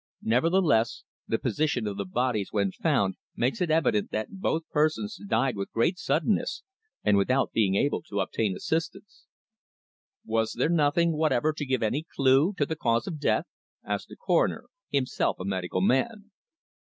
Nevertheless, the position of the bodies when found makes it evident that both persons died with great suddenness, and without being able to obtain assistance." "Was there nothing whatever to give any clue to the cause of death?" asked the Coroner, himself a medical man.